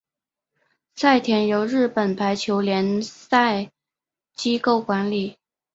赛事由日本排球联赛机构管理。